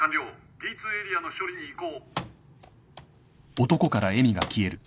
Ｐ２エリアの処理に移行。